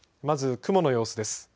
まず雲の様子です。